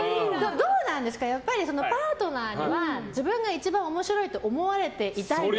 どうなんですかやっぱりパートナーには自分が一番面白いって思われていたいんですか？